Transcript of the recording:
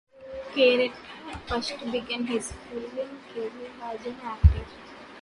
Carter first began his film career as an actor.